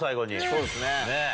そうですね。